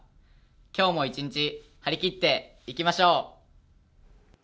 今日も一日、張り切っていきましょう。